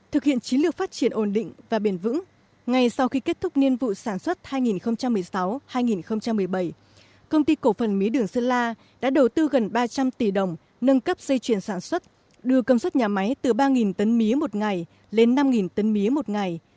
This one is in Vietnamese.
thực hiện chiến lược phát triển ổn định và bền vững ngay sau khi kết thúc nhiên vụ sản xuất hai nghìn một mươi sáu hai nghìn một mươi bảy công ty cổ phần mía đường sơn la đã đầu tư gần ba trăm linh tỷ đồng nâng cấp dây chuyển sản xuất đưa công suất nhà máy từ ba tấn mía một ngày lên năm tấn mía một ngày